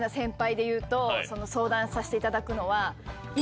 相談させていただくのは。